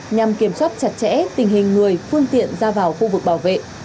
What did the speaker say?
nhằm kiểm soát chặt chẽ tình hình người phương tiện ra vào khu vực bảo vệ